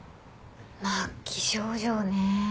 末期症状ね。